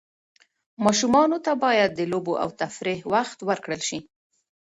ماشومانو ته باید د لوبو او تفریح وخت ورکړل سي.